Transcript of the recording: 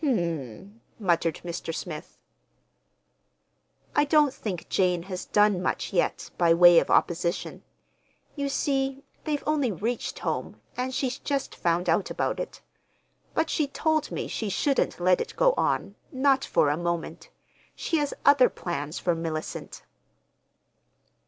"Hm m!" muttered Mr. Smith. "I don't think Jane has done much yet, by way of opposition. You see they've only reached home, and she's just found out about it. But she told me she shouldn't let it go on, not for a moment. She has other plans for Mellicent."